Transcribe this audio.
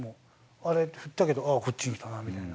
あれ振ったけど、ああ、こっち来たなみたいな。